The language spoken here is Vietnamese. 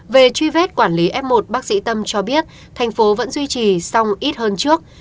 về truy vết quản lý f một bác sĩ tâm cho biết thành phố vẫn duy trì xong ít hơn trước